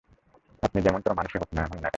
আপনি যেমনতর মানুষই হোন না কেন।